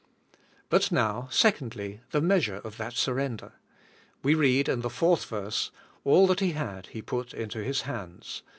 But now, secondly, the measure of that surren der. We read in the 4th verse: "All that he had he put into his hands."